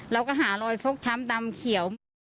เราก็หารอยฟกช้ำดำเขียวหมด